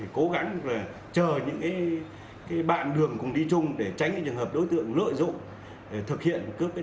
chúng ta đi một mình để cố gắng chờ những bạn đường cùng đi chung để tránh trường hợp đối tượng lợi dụng thực hiện cướp tài sản